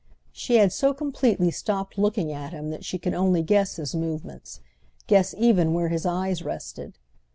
She had so completely stopped looking at him that she could only guess his movements—guess even where his eyes rested.